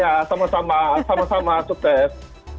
ya sama sama sama sukses